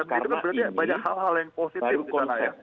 karena ini baru konsep